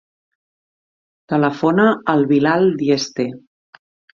Telefona al Bilal Dieste.